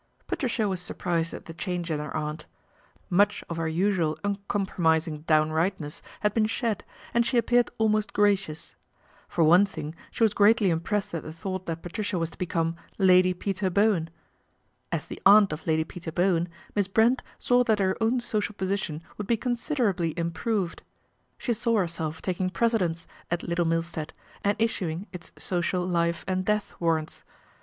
Patricia was surprised at the change in her aunt. Much of her usual uncompromising downrightness had been shed, and she appeared almost gracious. For one thing she was greatly impressed at the hought that Patricia was to become Lady Peter Bowen. As the aunt of Lady Peter Bowen, Miss Brent saw that her own social position would be :onsiderably improved. She saw herself taking precedence at Little Milstead and issuing its social .ife and death warrants.